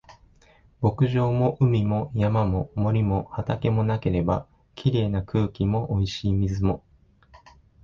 牧場も海も山も森も畑もなければ、綺麗な空気も美味しい水も